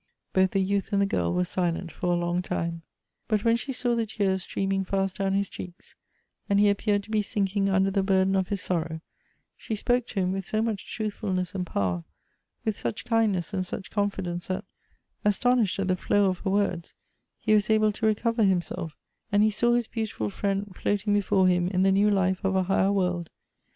Both the youth and the girl were silent for a long time. But when she saw the tears streaming fast down liis cheeks, and he appeared to be sinking xmder the burden of his sorrow, she spoke to him with so much truthfulness and power, with such kindness and such confidence, that, astonished at the flow of her words, he was able to recover himself, and he saw his beautiful friend floating before him in the new life of a higher world.